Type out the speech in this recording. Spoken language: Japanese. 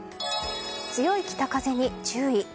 強い北風に注意。